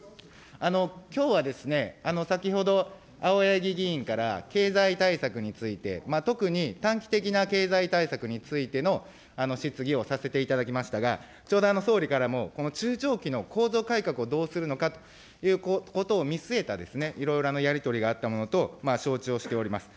きょうは、先ほど、青柳議員から、経済対策について、特に短期的な経済対策についての質疑をさせていただきましたが、ちょうど総理からも中長期の構造改革をどうするのかということを見据えた、いろいろなやり取りがあったものと承知をしております。